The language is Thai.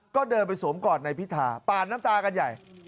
ก็เดินไปสวมกอดในพิธาปานน้ำตากันใหญ่